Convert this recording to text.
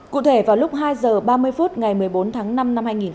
cụ thể vào lúc hai h ba mươi phút ngày một mươi bốn tháng năm năm hai nghìn hai mươi